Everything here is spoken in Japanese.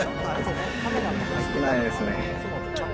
少ないですね。